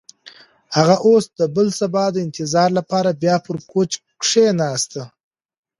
هغه اوس د بل سبا د انتظار لپاره بیا پر کوچ کښېناسته.